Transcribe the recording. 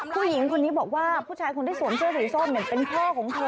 ผู้หญิงคนนี้บอกว่าผู้ชายคนที่สวมเสื้อสีส้มเป็นพ่อของเธอ